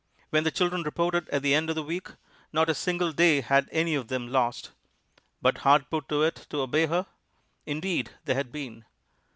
When the children reported at the end of the week, not a single day had any of them lost. But hard put to it to obey her? Indeed they had been.